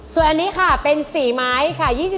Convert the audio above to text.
ส่วนอันนี้เป็นสี่ไม้ค่ะ